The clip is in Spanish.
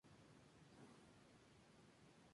Pertenece a la sexta generación de consolas.